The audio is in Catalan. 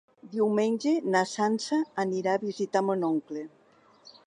Diumenge na Sança anirà a visitar mon oncle.